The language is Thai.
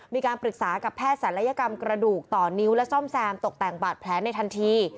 มีการปรึกษากับแพทย์ศัลยกรรมกระดูกต่อนิ้วและซ่อมแซมตกแต่งบาดแผลในทันที